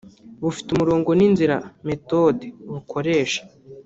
bufite umurongo n’inzira (méthode) bukoresha